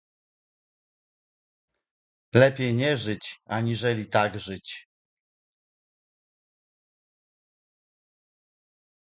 "Lepiej nie żyć, aniżeli tak żyć..."